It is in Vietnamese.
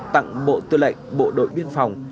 tặng bộ tư lệnh bộ đội biên phòng